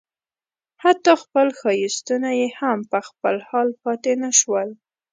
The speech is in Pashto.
حتی خپل ښایستونه یې هم په خپل حال پاتې نه شول.